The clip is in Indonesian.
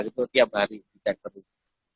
itu tiap hari di cek terus